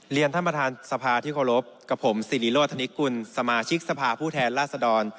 ท่านประธานสภาที่เคารพกับผมสิริโรธนิกุลสมาชิกสภาผู้แทนราชดร